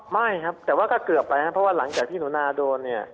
ไม่ครับแต่ว่าก็เกือบไปครับเพราะว่าหลังจากที่หนูนาโดนเนี่ย